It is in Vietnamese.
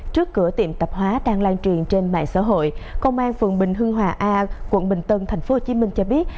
trước cửa tiệm tạp hóa đang lan truyền trên mạng xã hội công an phường bình hưng hòa a quận bình tân tp hcm cho biết